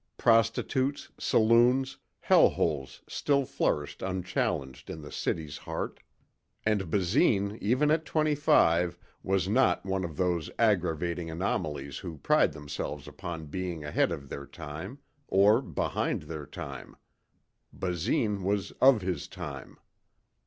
Prostitutes, saloons, hell holes still flourished unchallenged in the city's heart. And Basine even at twenty five was not one of those aggravating anomalies who pride themselves upon being ahead of their time; or behind their time. Basine was of his time.